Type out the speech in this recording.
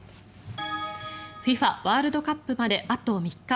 ワールドカップまであと３日。